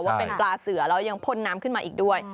ว่าเป็นปลาเสือแล้วยังพ่นน้ำขึ้นมาอีกด้วย